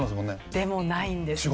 でもないんですね。